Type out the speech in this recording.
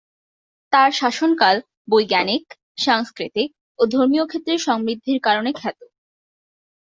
তার শাসনকাল বৈজ্ঞানিক, সাংস্কৃতিক ও ধর্মীয় ক্ষেত্রে সমৃদ্ধির কারণে খ্যাত।